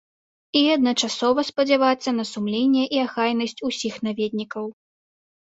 І адначасова спадзявацца на сумленне і ахайнасць усіх наведнікаў.